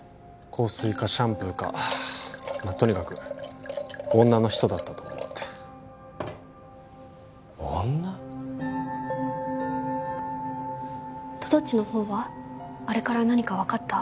香水かシャンプーかとにかく女の人だったと思うって女？とどっちのほうはあれから何か分かった？